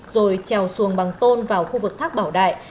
rồi trèo xuồng bằng tôn vào khu vực thác bảo đại